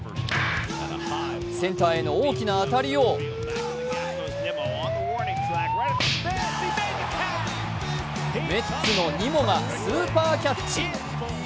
センターへの大きな当たりをメッツのニモがスーパーキャッチ。